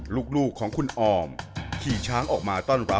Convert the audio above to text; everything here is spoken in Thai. ชื่องนี้ชื่องนี้ชื่องนี้ชื่องนี้ชื่องนี้